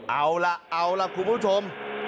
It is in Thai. เอาล่ะเอาล่ะคุณผู้ชม